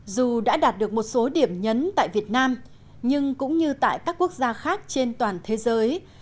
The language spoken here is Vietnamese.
dù đã đạt được một số điểm nhấn tại việt nam nhưng cũng như tại các quốc gia khác trên toàn thế giới